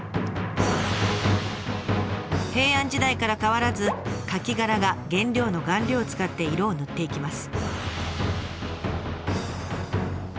平安時代から変わらずカキ殻が原料の顔料を使って色を塗っていきます。